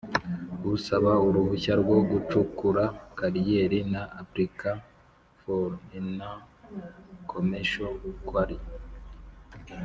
Usaba uruhushya rwo gucukura kariyeri An applicant for a non commercial quarry